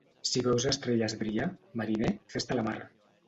Si veus estrelles brillar, mariner, fes-te a la mar.